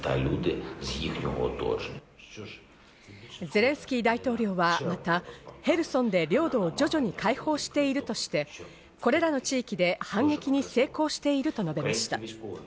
ゼレンスキー大統領はまた、ヘルソンで領土を徐々に解放しているとして、これらの地域で反撃に成功していると述べました。